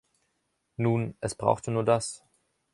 Nun, es brauchte nur das.